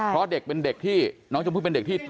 เพราะเด็กเป็นเด็กที่น้องชมพู่เป็นเด็กที่